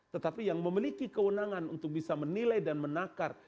tetapi yang memiliki kewenangan untuk bisa menilai dan menakar